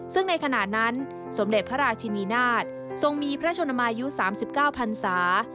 ซึ่งในขณะนั้นสมเด็จพระราชินีนาฏทรงมีพระชนมายุ๓๙พันศา